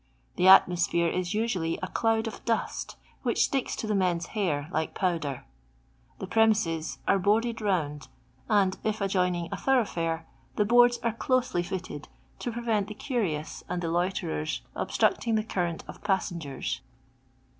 The atmo , sphere is usually a cloud of dust, which sticka to j the men's hair like powder. The premises are ; boarded round, and it adjoining a thoroughf^ire I the boards are closely fitted, to prevent the cuhoos ; nnd the loiterers obstructing the current of pas I sengers.